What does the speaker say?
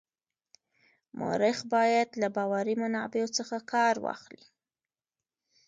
مورخ باید له باوري منابعو څخه کار واخلي.